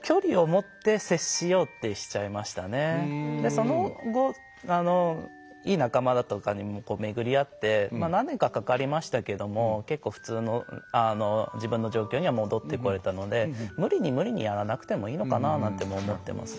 その後いい仲間だとかに巡り合って何年かかかりましたけども結構普通の自分の状況には戻ってこれたので無理に無理にやらなくてもいいのかななんても思ってます。